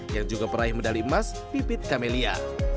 yang juga peraih medali emas pipit kamelia